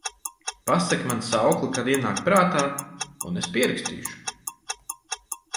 Pasaki man saukli, kad ienāk prātā, un es pierakstīšu…